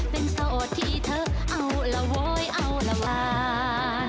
เป็นโสดที่เธอเอาละโวยเอาละมา